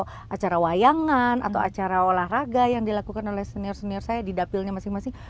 atau acara wayangan atau acara olahraga yang dilakukan oleh senior senior saya di dapilnya masing masing